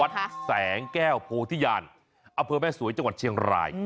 แสงแก้วโพธิญาณอำเภอแม่สวยจังหวัดเชียงราย